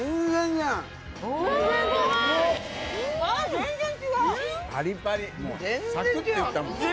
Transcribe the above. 全然違う！